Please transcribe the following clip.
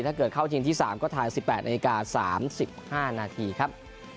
ถ้าเกิดเข้าชิงที่สามก็ถ่ายสิบแปดนาทีสามสิบห้านาทีครับ